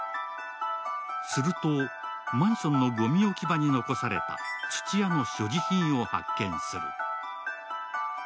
するとマンションのごみ置き場に残された土屋の所持品を発見する。